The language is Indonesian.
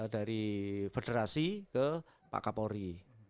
dari federasi ke pak kapolri